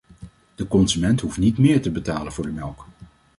De consument hoeft niet méér te betalen voor de melk.